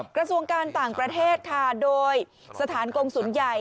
กระทรวงการต่างประเทศค่ะโดยสถานกงศูนย์ใหญ่